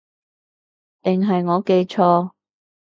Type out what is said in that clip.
定係我記錯